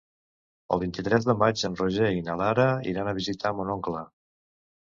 El vint-i-tres de maig en Roger i na Lara iran a visitar mon oncle.